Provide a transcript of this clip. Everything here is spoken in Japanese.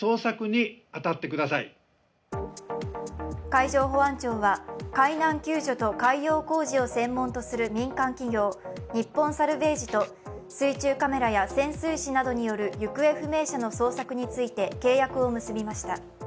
海上保安庁は海難救助と海洋工事を専門とする民間企業、日本サルヴェージと水中カメラや潜水士などによる行方不明者の捜索について契約を結びました。